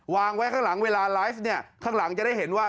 วางไว้ข้างหลังเวลาไลฟ์เนี่ยข้างหลังจะได้เห็นว่า